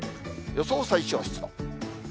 予想最小湿度。